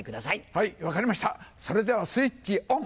はい分かりましたそれではスイッチオン。